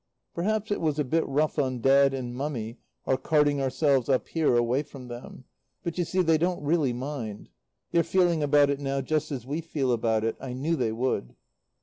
"Perhaps it was a bit rough on Dad and Mummy, our carting ourselves up here, away from them. But, you see, they don't really mind. They're feeling about it now just as we feel about it. I knew they would."